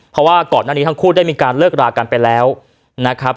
เพราะว่าก่อนหน้านี้ทั้งคู่ได้มีการเลิกรากันไปแล้วนะครับ